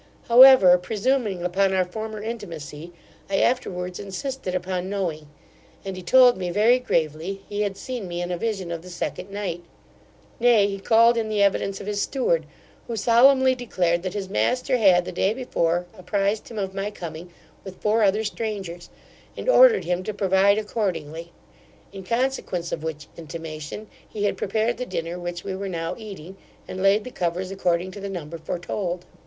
However, presuming upon our former intimacy, I afterwards insisted upon knowing; and he told me, very gravely, he had seen me in a vision of the second sight Nay, he called in the evidence of his steward, who solemnly declared, that his master had the day before apprised him of my coming, with four other strangers, and ordered him to provide accordingly; in consequence of which intimation, he had prepared the dinner which we were now eating; and laid the covers according to the number foretold.